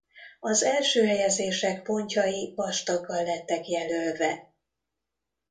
Az első helyezések pontjai vastaggal lettek jelölve.